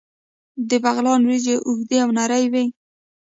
د بغلان وریجې اوږدې او نرۍ وي.